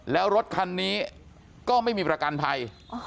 แล้วรถคันนี้ก็ไม่มีประกันภัย